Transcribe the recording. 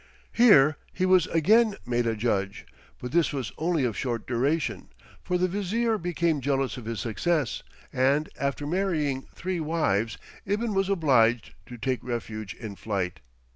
Here he was again made a judge, but this was only of short duration, for the vizier became jealous of his success, and, after marrying three wives, Ibn was obliged to take refuge in flight.